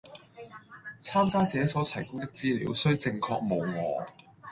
參加者所提供的資料須正確無訛